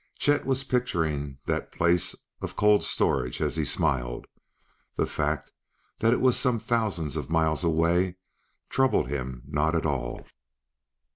Chet was picturing that place of "cold storage" as he smiled. The fact that it was some thousands of miles away troubled him not at all.